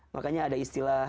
makanya ada istilah